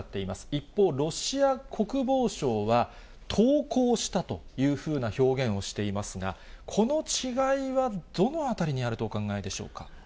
一方、ロシア国防省は、投降したというふうな表現をしていますが、この違いはどのあたりにあるとお考えでしょうか。